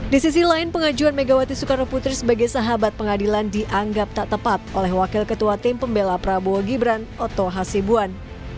di sisi lain pengajuan megawati soekarno putri sebagai sahabat pengadilan dianggap tak tepat oleh wakil ketua tim pembela prabowo gibran oto hasibuan